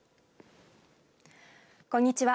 こんにちは。